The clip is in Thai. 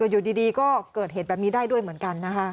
อยู่ดีก็เกิดเหตุแบบนี้ได้ด้วยเหมือนกันนะคะ